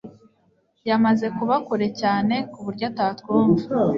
Yamaze kuba kure cyane kuburyo atatwumva